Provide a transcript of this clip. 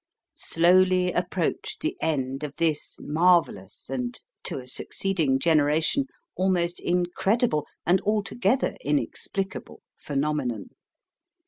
Slowly approached the end of this marvellous, and to a succeeding generation almost incredible, and altogether inexplicable, phenomenon.